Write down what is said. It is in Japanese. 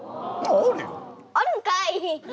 あるんかい！